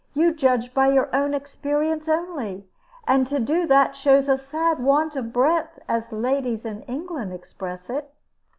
"You judge by your own experience only; and to do that shows a sad want of breadth, as the ladies in England express it."